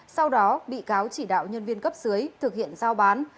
sau đó bị cáo chỉ đạo nhân viên cấp dưới thực hiện giao bán